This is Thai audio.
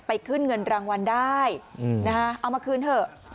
ขึ้นเงินรางวัลได้เอามาคืนเถอะ